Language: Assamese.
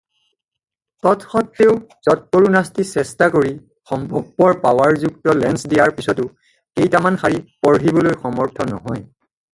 তৎস্বত্বেও যৎপৰোনাস্তি চেষ্টা কৰি সম্ভৱপৰ পাৱাৰযুক্ত লেন্স দিয়াৰ পিছতো কেইটামান শাৰী পঢ়িবলৈ সমৰ্থ নহয়।